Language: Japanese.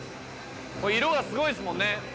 色がすごいですもんね。